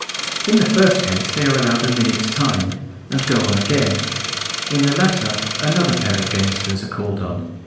In the first case they are allowed a minute's time; and go on again; in the latter another pair of gamesters are called on.